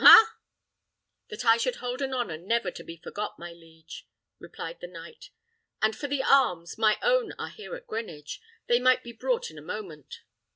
ha!" "That I should hold an honour never to be forgot, my liege," replied the knight. "And for the arms, my own are here in Greenwich. They might be brought in a moment."